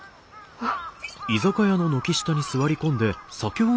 あっ。